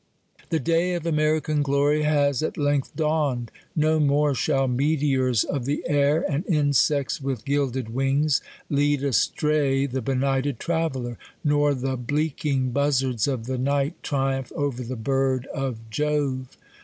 The day of American glory has at length dawned. No more shall meteors of the air, and insects w ith gild ed wings, lead astray the benighted traveller, nor the bleaking buzzords of the night triumph over the bird of Jove.